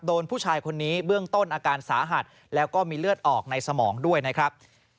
โดนผู้ชายคนนี้เบื้องต้นอาการสาหัสแล้วก็มีเลือดออกในสมองด้วยนะครับ